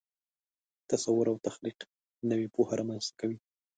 تصور او تخلیق نوې پوهه رامنځته کوي.